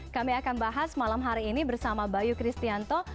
kami akan bahas malam hari ini bersama bayu kristianto